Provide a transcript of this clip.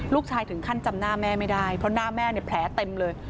ถึงขั้นจำหน้าแม่ไม่ได้เพราะหน้าแม่แผลเต็มเลย